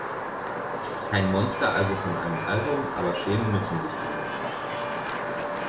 Kein ‚Monster‘ also von einem Album, aber schämen müssen sich Oomph!